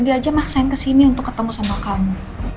dia aja maksain kesini untuk ketemu sama kamu